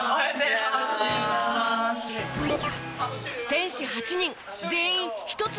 選手８人全員一つ